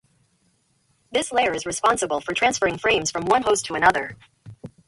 This layer is responsible for transferring frames from one host to another.